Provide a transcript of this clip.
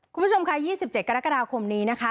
คุณผู้ชมค่ะ๒๗กรกฎาคมนี้นะคะ